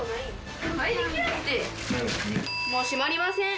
もう閉まりません。